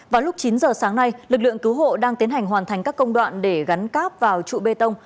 vào lúc chín giờ sáng nay lực lượng cứu hộ đang tiến hành hoàn thành các công đoạn để gắn cáp vào trụ bê tông